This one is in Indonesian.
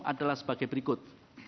adalah sebagai berikut